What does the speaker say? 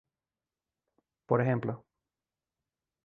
Por ej.